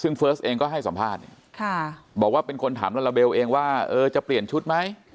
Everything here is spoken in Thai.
ซึ่งเฟิร์สเองก็ให้สัมภาษณ์บอกว่าเป็นคนถามลาลาเบลเองว่าจะเปลี่ยนชุดไหม